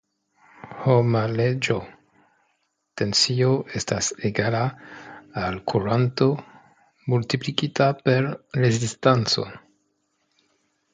Ohma Leĝo: Tensio estas egala al kurento multiplikita per rezistanco.